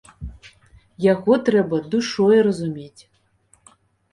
Яго трэба душой разумець.